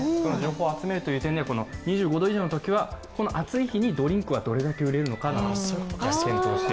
試補を集めという点では、２５度以上のときは暑い日にドリンクがどれほど売れるのか。